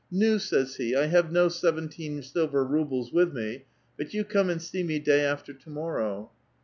^NuT says he, 'I have no seventeen silver rubles with mc, but you come and see me day after to morrow.'